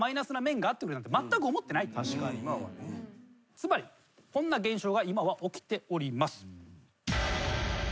つまりこんな現象が今は起きております。